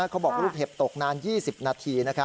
เขาบอกลูกเห็บตกนาน๒๐นาที